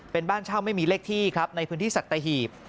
เป็นบ้านเช่าไม่มีเลขที่ครับในพื้นที่สัตหีบ